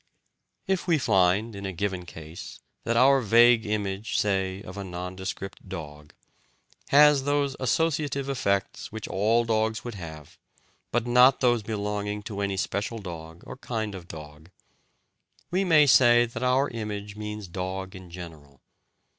If we find, in a given case, that our vague image, say, of a nondescript dog, has those associative effects which all dogs would have, but not those belonging to any special dog or kind of dog, we may say that our image means "dog" in general.